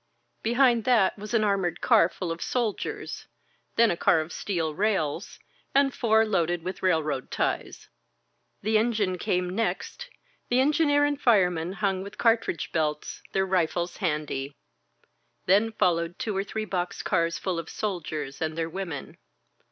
Behind that was an armored car full of soldiers, then a car of steel rails, and four loaded with railroad ties. The en gine came next, the engineer and fireman hung with cartridge belts, their rifles handy. Then followed two or three box cars full of soldiers and their women.